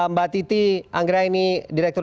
mbak titi anggraini direktur